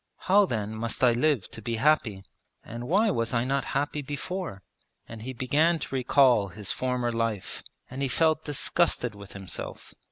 How then must I live to be happy, and why was I not happy before?' And he began to recall his former life and he felt disgusted with himself.